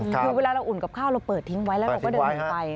คือเวลาเราอุ่นกับข้าวเราเปิดทิ้งไว้แล้วเราก็เดินหนีไป